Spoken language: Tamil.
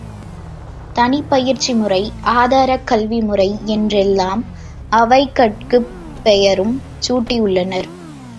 தனிப் பயிற்சி முறை, ஆதாரக் கல்வி முறை என்றெல்லாம் அவைகட்குப் பெயரும் சூட்டியுள்ளனர்.